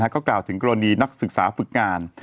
ก็กล่าวถึงกรณีนักศึกษาฝึกงาน